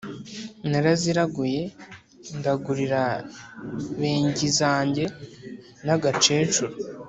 naraziraguye ndagurira benginzage nyagakecuru